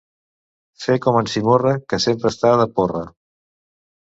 Fer com en Simorra, que sempre està de porra.